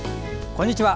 こんにちは。